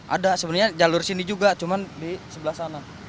ada sebenarnya jalur sini juga cuma di sebelah sana